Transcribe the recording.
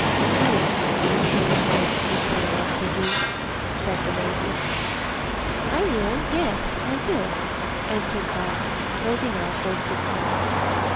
I am sorry I was forced to be so rough with you," said the lady. "I will; yes, I will," answered Diamond, holding out both his arms.